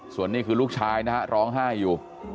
ส่วนนี้คือลูกชายนะฮะร้องไห้อยู่